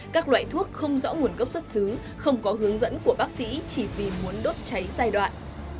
các loại thuốc không rõ nguồn gốc xuất xứ không có hướng dẫn của bác sĩ chỉ vì muốn đốt cháy giai đoạn